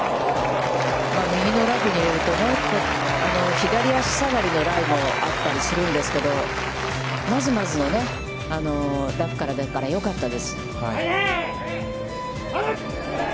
右のラフに入れるとね、左足下がりのライもあったりするんですけれども、まずまずのラフからでしたから、よかったです。